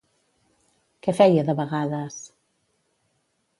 Què feia de vegades?